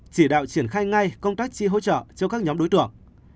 chỉ đạo triển khai ngay công tác chi hỗ trợ cho các nhóm đối tượng